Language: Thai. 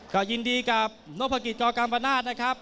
ก็ยินดีกับนพกิจจอกัมปนาศนะครับ